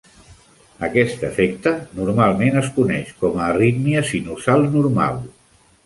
Aquest efecte normalment es coneix com a arrítmia sinusal normal.